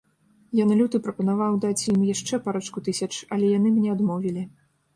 Я на люты прапанаваў даць ім яшчэ парачку тысяч, але яны мне адмовілі.